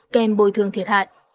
kèm bồi thương thiệt hại